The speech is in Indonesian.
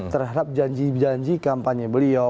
terhadap janji janji kampanye beliau